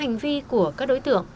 hành vi của các đối tượng